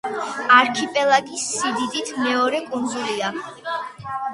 არქიპელაგის სიდიდით მეორე კუნძულია.